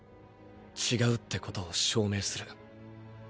違うってことを証明する。